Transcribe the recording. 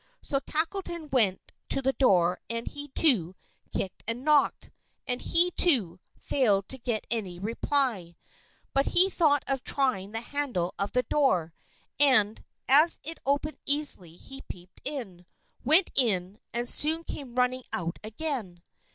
So Tackleton went to the door and he, too, kicked and knocked; and he, too, failed to get any reply. But he thought of trying the handle of the door, and as it opened easily, he peeped in, went in, and soon came running out again.